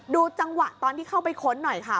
ดูจังหวะตอนที่เข้าไปค้นหน่อยค่ะ